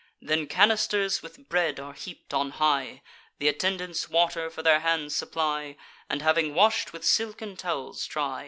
Then canisters with bread are heap'd on high; Th' attendants water for their hands supply, And, having wash'd, with silken towels dry.